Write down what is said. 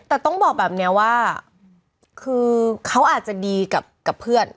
แต่ต้องบอกแบบนี้ว่าคือเขาอาจจะดีกับเพื่อน